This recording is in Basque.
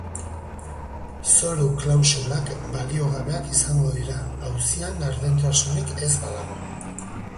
Zoru klausulak baliogabeak izango dira, auzian gardentasunik ez badago.